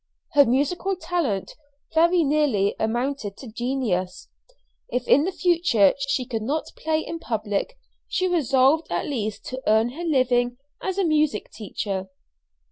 Her musical talent very nearly amounted to genius. If in the future she could not play in public, she resolved at least to earn her living as a music teacher.